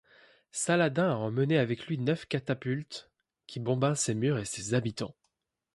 Saladin a emmené avec lui neuf catapultes qui bombardent ses murs et ses habitants.